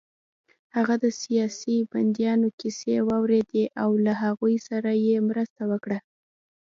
هغه د سیاسي بندیانو کیسې واورېدې او له هغوی سره يې مرسته وکړه